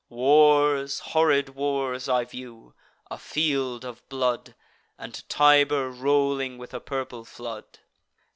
Wars, horrid wars, I view; a field of blood, And Tiber rolling with a purple flood.